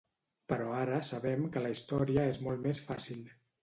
Però ara sabem que la història és molt més fàcil.